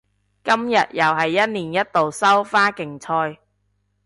今日又係一年一度收花競賽